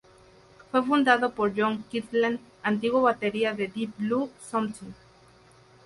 Fue fundado por John Kirtland, antiguo batería de Deep Blue Something.